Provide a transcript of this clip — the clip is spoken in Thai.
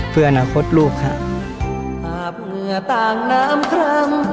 เพื่ออนาคตลูกครับ